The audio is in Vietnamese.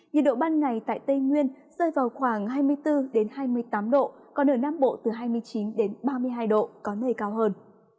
nhiệt độ ban ngày tại tây nguyên rơi vào khoảng hai mươi bốn hai mươi tám độ còn ở nam bộ từ hai mươi chín ba mươi hai độ có nơi cao hơn